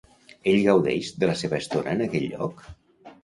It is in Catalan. Ell gaudeix de la seva estona en aquell lloc?